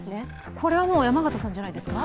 これはもう、山形さんじゃないんですか？